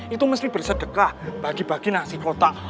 itu mesti bersedekah bagi bagi nasi kotak